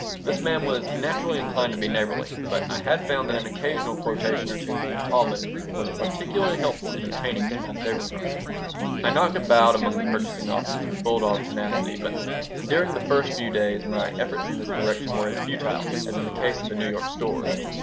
This man was naturally inclined to be neighborly, but I had found that an occasional quotation or two from the Talmud was particularly helpful in obtaining a small favor from him I knocked about among the purchasing offices with bulldog tenacity, but during the first few days my efforts in this direction were as futile as in the case of the New York stores.